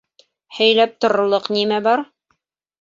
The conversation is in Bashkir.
— Һөйләп торорлоҡ нимә бар?